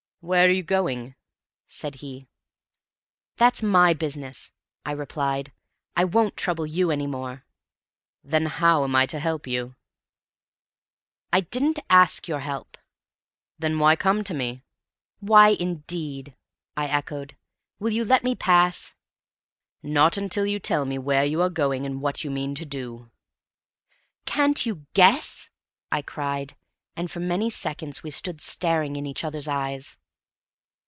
"Where are you going?" said he. "That's my business," I replied. "I won't trouble YOU any more." "Then how am I to help you?" "I didn't ask your help." "Then why come to me?" "Why, indeed!" I echoed. "Will you let me pass?" "Not until you tell me where you are going and what you mean to do." "Can't you guess?" I cried. And for many seconds we stood staring in each other's eyes.